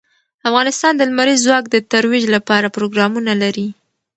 افغانستان د لمریز ځواک د ترویج لپاره پروګرامونه لري.